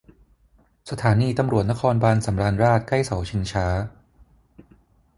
สถานีตำรวจนครบาลสำราญราษฎร์ ใกล้เสาชิงช้า